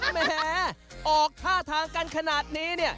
แหมออกท่าทางกันขนาดนี้เนี่ย